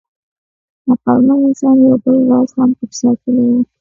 عقلمن انسان یو بل راز هم پټ ساتلی و.